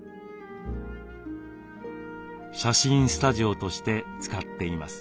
写真スタジオとして使っています。